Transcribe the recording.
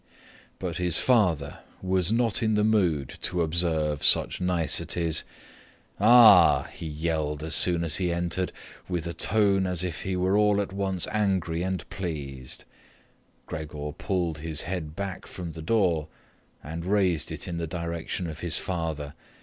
But his father was not in the mood to observe such niceties. "Ah," he yelled as soon as he entered, with a tone as if he were all at once angry and pleased. Gregor pulled his head back from the door and raised it in the direction of his father.